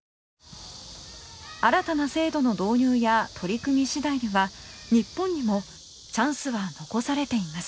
新たな制度の導入や取り組み次第では日本にもチャンスは残されています。